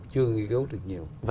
chưa nghiên cứu được nhiều